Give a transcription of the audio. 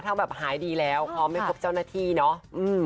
ถ้าแบบหายดีแล้วพร้อมไม่พบเจ้าหน้าที่เนาะ